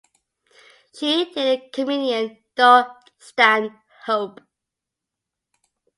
She dated comedian Doug Stanhope.